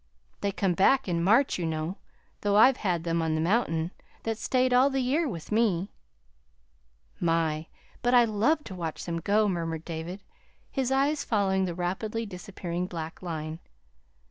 They come back in March, you know. Though I've had them, on the mountain, that stayed all the year with me." "My! but I love to watch them go," murmured David, his eyes following the rapidly disappearing blackline.